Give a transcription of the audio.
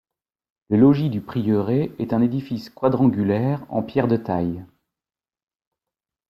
Le logis du prieuré est un édifice quadrangulaire en pierre de taille.